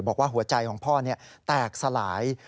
บอกว่าหัวใจของพ่อแตกสลาย